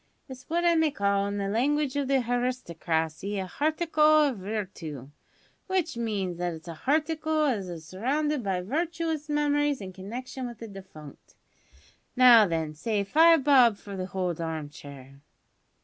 It's what I may call, in the language of the haristocracy, a harticle of virtoo, w'ich means that it's a harticle as is surrounded by virtuous memories in connection with the defunct. Now then, say five bob for the hold harm chair!"